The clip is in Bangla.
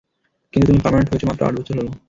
কিন্তু তুমি পার্মানেন্ট হয়েছ মাত্র আট বছর হলো।